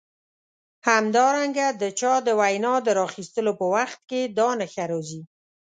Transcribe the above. همدارنګه د چا د وینا د راخیستلو په وخت کې دا نښه راځي.